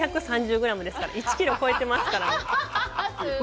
１１３０グラムですから、１キロ超えてますから。